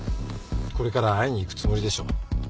これから会いに行くつもりでしょ。